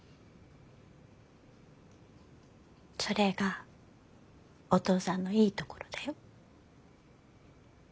それがお父さんのいいところだよ。